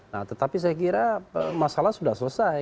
nah tetapi saya kira masalah sudah selesai